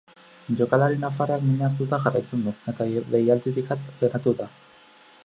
Jokalari nafarrak min hartuta jarraitzen du, eta deialditik at geratu da.